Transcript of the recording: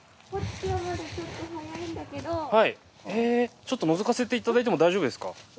ちょっとのぞかせていただいても大丈夫ですか？